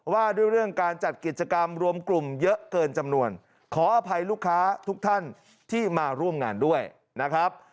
ว่าด้วยเรื่องการจัดกิจกรรมรวมกลุ่มเยอะเกินจำนวนขออภัยลูกค้าทุกท่านที่มาร่วมงานด้วยนะครับ